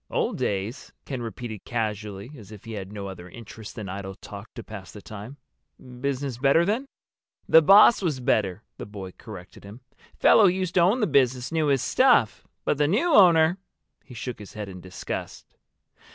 "Old days?" Ken repeated casually, as if he had no other interest than idle talk to pass the time. "Business better then?" "The boss was better," the boy corrected him. "Fellow who used to own the business knew his stuff. But the new owner—!" He shook his head in disgust.